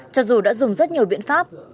cho dù đã dùng rất nhiều biện pháp